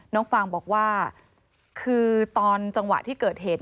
ฟางบอกว่าคือตอนจังหวะที่เกิดเหตุ